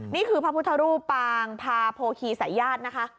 นี่คือพระพุทธรูปปางพาโพคีสายญาตินะคะ